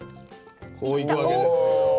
こういくわけですよ。